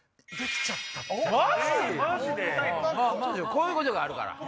こういうことがあるから。